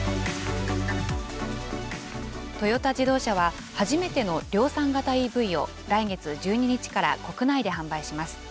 トヨタ自動車は初めての量産型ＥＶを来月１２日から国内で販売します。